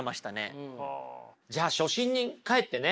じゃあ初心に返ってね